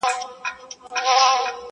زنګېدی د زمري لور ته ور روان سو -